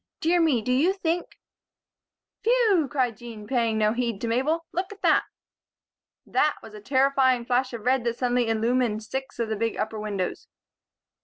Dear me! Do you think " "Phew!" cried Jean, paying no heed to Mabel. "Look at that!" "That" was a terrifying flash of red that suddenly illumined six of the big upper windows.